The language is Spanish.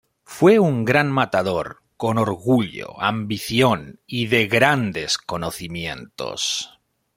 Fue un gran matador, con orgullo, ambición y de grandes conocimientos.